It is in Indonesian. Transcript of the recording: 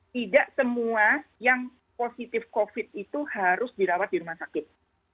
tidak semua yang positif covid itu harus dirawat di rumah sakit